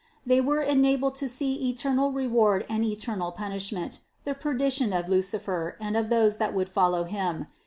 They were enabled to see eternal reward and eternal punishment, the perdition of Lucifer and of those that would follow him.